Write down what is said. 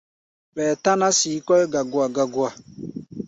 Ɓɛɛ táná sii kɔ́ʼí gagua-gagua.